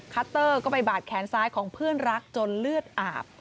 คัตเตอร์ก็ไปบาดแขนซ้ายของเพื่อนรักจนเลือดอาบ